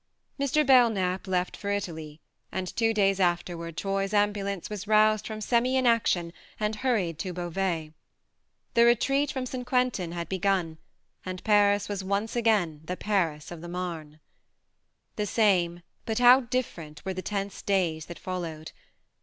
... Mr. Belknap left for Italy and two G 82 THE MARNE days afterward Troy's ambulance was roused from semi inaction and hurried to Beauvais. The retreat from St. Quentin had begun, and Paris was once again the Paris of the Marne. The same but how different ! were the tense days that followed.